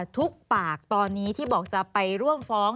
ทุกปากตอนนี้ที่บอกจะไปร่วมฟ้อง